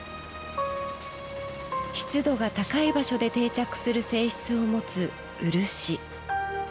湿度が高い場所で定着する性質を持つ漆。